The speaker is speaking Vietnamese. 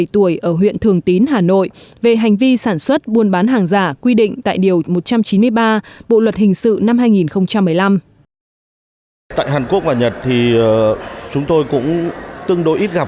hai mươi tuổi ở huyện thường tín hà nội về hành vi sản xuất buôn bán hàng giả quy định tại điều một trăm chín mươi ba bộ luật hình sự năm hai nghìn một mươi năm